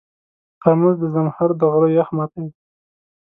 ترموز د زمهر د غره یخ ماتوي.